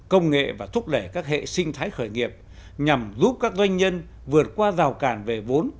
công nghệ và thúc đẩy các hệ sinh thái khởi nghiệp nhằm giúp các doanh nhân vượt qua rào cản về vốn